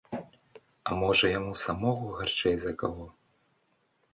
А можа, яму самому гарчэй за каго.